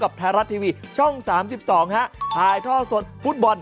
ไทยรัฐทีวีช่อง๓๒ถ่ายท่อสดฟุตบอล